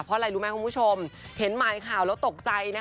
เพราะอะไรรู้ไหมคุณผู้ชมเห็นหมายข่าวแล้วตกใจนะคะ